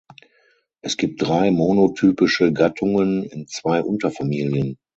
Es gibt drei monotypische Gattungen in zwei Unterfamilien.